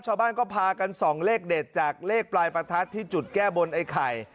ชาวบ้านก็พากันส่องเลขเด็ดจากเลขปลายประทัดที่จุดแก้บนไอ้ไข่